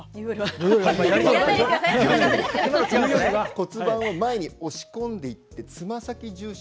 骨盤を前に押し込んでいってつま先重心。